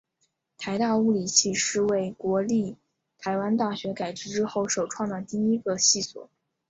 台大物理系是为国立台湾大学改制之后首创的第一个系所。